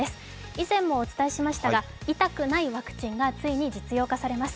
以前もお伝えしましたが痛くないワクチンがついに実用化されます。